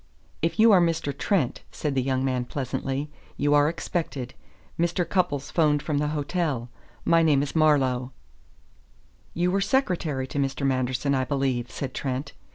"If you are Mr. Trent," said the young man pleasantly, "you are expected. Mr. Cupples 'phoned from the hotel. My name is Marlowe." "You were secretary to Mr. Manderson, I believe," said Trent.